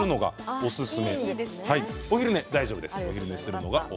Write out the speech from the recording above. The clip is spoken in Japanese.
お昼寝、大丈夫です。